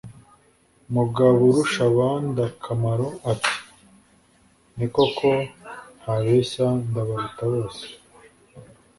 mugaburushabandakamaro ati: "ni koko ntabeshya ndabaruta bose."